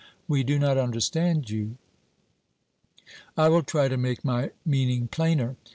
'We do not understand you.' I will try to make my meaning plainer.